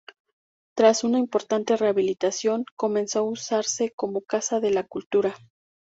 Tras una importante rehabilitación, comenzó a usarse como Casa de la Cultura.